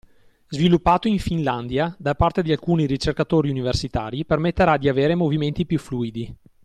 Sviluppato in Finlandia, da parte di alcuni ricercatori universitari, permetterà di avere movimenti più fluidi.